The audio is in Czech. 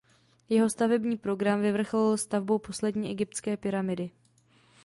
Jeho stavební program vyvrcholil stavbou poslední egyptské pyramidy.